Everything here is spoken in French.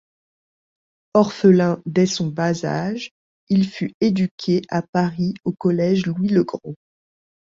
Orphelin dès son bas âge, il fut éduqué à Paris, au collège Louis-le-Grand.